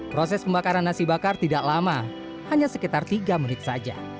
proses pembakaran nasi bakar tidak lama hanya sekitar tiga menit saja